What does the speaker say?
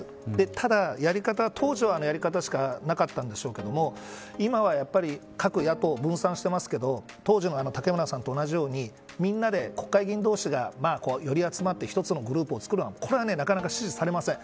ただ当時は、あのやり方しかなかったんでしょうけど今は、やっぱり各野党分散してますけど当時の武村さんと同じようにみんなで国会議員同士が寄り集まって一つのグループを作るのはこれはなかなか支持されません。